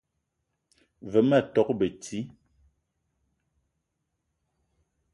Ve ma tok beti